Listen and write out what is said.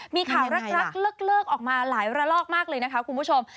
มีข่าวรักเลิกออกมาหลายระลอกมากเลยนะคะคุณผู้ชม